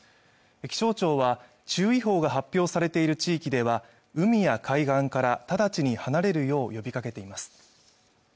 気象庁は注意報が発表されている地域では海や海岸から直ちに離れるよう呼びかけています